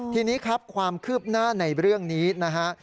ทีนี้ครับความคืบหน้าในเรื่องนี้นะฮะ